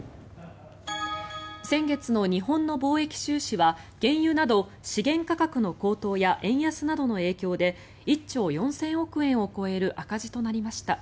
先月の日本の貿易収支は原油など資源価格の高騰や円安などの影響で１兆４０００億円を超える赤字となりました。